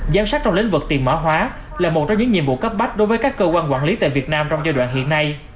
giám sát trong lĩnh vực tiền mã hóa là một trong những nhiệm vụ cấp bách đối với các cơ quan quản lý tại việt nam trong giai đoạn hiện nay